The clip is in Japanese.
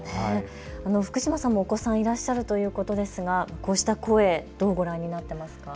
福嶋さんもお子さんがいらっしゃるということですがこうした声、どうご覧になっていますか。